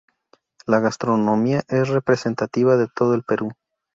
La gastronomía es representativa de todo el Perú.